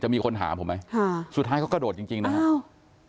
จะมีคนหาผมไหมสุดท้ายเขากระโดดจริงนะครับ